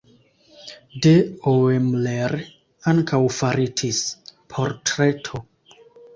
De Oemler ankaŭ faritis portreto.